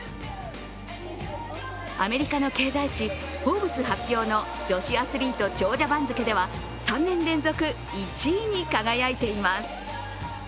アメリカの経済誌「フォーブス」発表の女子アスリート長者番付では３年連続１位に輝いています。